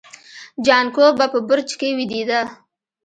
جانکو به په برج کې ويدېده.